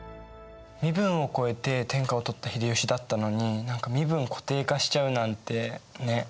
身分を超えて天下を取った秀吉だったのに何か身分を固定化しちゃうなんてね。